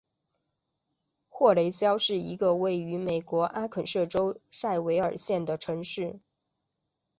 霍雷肖是一个位于美国阿肯色州塞维尔县的城市。